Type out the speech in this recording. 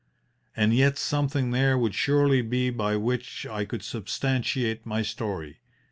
And yet something there would surely be by which I could substantiate my story.